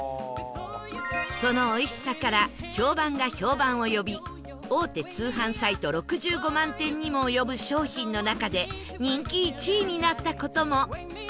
そのおいしさから評判が評判を呼び大手通販サイト６５万点にも及ぶ商品の中で人気１位になった事も